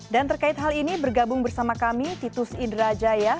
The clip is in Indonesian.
dan terkait hal ini bergabung bersama kami titus indra jaya